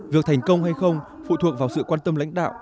việc thành công hay không phụ thuộc vào sự quan tâm lãnh đạo